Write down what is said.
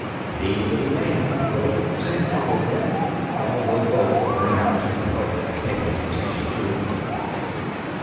The little man rose and followed them, although both were now too provoked to pay any attention to him.